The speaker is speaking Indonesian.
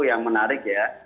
yang menarik ya